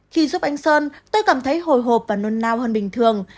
khi giúp anh sơn tôi cảm thấy hồi hộp và nôn nao hơn bình thường